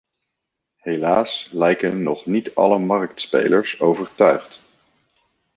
Helaas lijken nog niet alle marktspelers overtuigd.